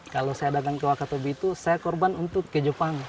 kalau saya datang ke wakatobi itu saya korban untuk ke jepang